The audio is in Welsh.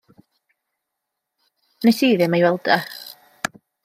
Wnes i ddim ei weld e.